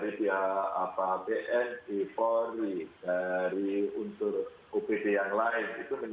ini dari pihak bnp polri dari unsur upb yang lain